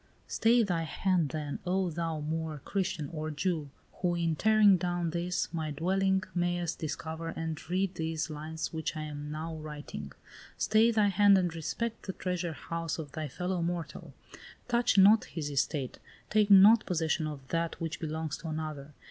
"Stay thy hand, then, oh thou, Moor, Christian, or Jew, who, in tearing down this, my dwelling, mayest discover and read these lines which I am now writing! Stay thy hand and respect the treasure house of thy fellow mortal! Touch not his estate! Take not possession of that which belongs to another!